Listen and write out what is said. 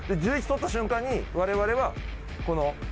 取った瞬間に我々はこの。